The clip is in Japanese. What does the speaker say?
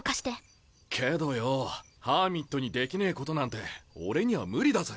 けどよぉハーミットにできねえことなんて俺には無理だぜ。